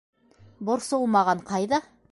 Борсолмаған ҡайҙа?